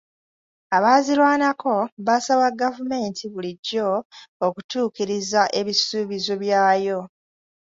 Abaazirwanako baasaba gavumenti bulijjo okutuukiriza ebisuubizo byayo.